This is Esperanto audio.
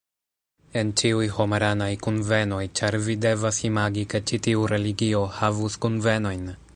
En ĉiuj homaranaj kunvenoj, ĉar vi devas imagi ke ĉi tiu religio havus kunvenojn